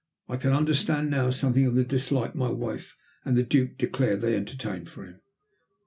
I can understand now something of the dislike my wife and the Duke declared they entertained for him.